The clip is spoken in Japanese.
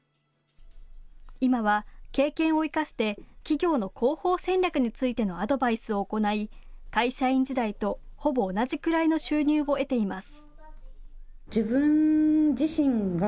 今は経験を生かして企業の広報戦略についてのアドバイスを行い会社員時代とほぼ同じくらいの収入を得ています。